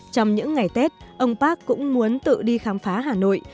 trong những ngày tết ông park cũng muốn tự đi khám phá hà nội